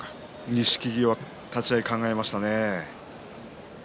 錦木は立ち合い考えましたね。